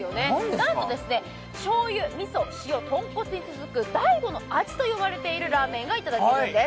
なんとしょうゆ・みそ・塩・豚骨の次、第５の味と呼ばれているラーメンがいただけるんです。